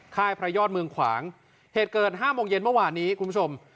ค่ายพระยอดเมืองขวางเหตุเกิด๕โมงเย็นเมื่อวานนี้คุณผู้ชม